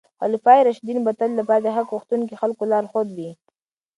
خلفای راشدین به د تل لپاره د حق غوښتونکو خلکو لارښود وي.